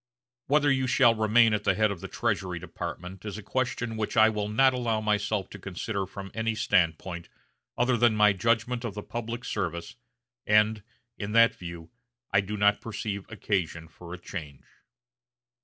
Whether you shall remain at the head of the Treasury Department is a question which I will not allow myself to consider from any standpoint other than my judgment of the public service, and, in that view, I do not perceive occasion for a change."